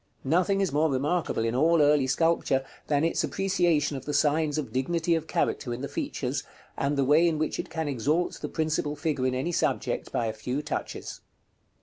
Nothing is more remarkable in all early sculpture, than its appreciation of the signs of dignity of character in the features, and the way in which it can exalt the principal figure in any subject by a few touches.